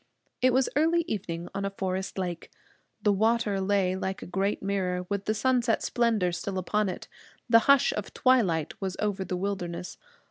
It was early evening on a forest lake. The water lay like a great mirror, with the sunset splendor still upon it. The hush of twilight was over the wilderness.